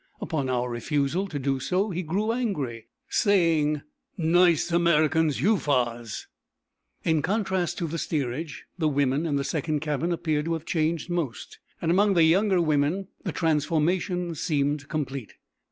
Upon our refusal to do so he grew angry, saying: "Nice Americans you fas." In contrast to the steerage, the women in the second cabin appeared to have changed most, and among the younger women, the transformation seemed complete.